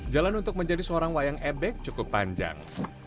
jalan untuk menjadi seorang wayang ebek cukup panjang